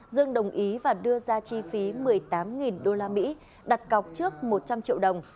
dương đồng ý và đưa ra chi phí một mươi tám usd đặt cọc trước một trăm linh triệu đồng